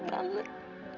lo itu adalah nafasnya